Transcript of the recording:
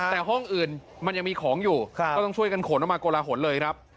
แต่ห้องอื่นมันยังมีของอยู่ก็ต้องช่วยกันขนออกมากลหนเลยครับ